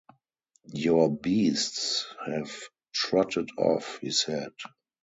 ‘Your beasts have trotted off,’ he said.